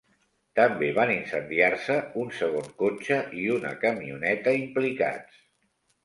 També van incendiar-se un segon cotxe i una camioneta implicats.